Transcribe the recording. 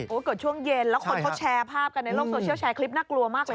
เกิดช่วงเย็นแล้วคนเขาแชร์ภาพกันในโลกโซเชียลแชร์คลิปน่ากลัวมากเลย